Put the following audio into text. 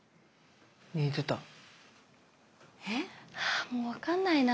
あもう分かんないな。